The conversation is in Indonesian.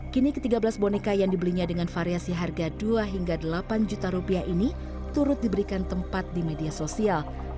kini ke tiga belas boneka yang dibelinya dengan variasi harga dua hingga delapan juta rupiah ini turut diberikan tempat di media sosial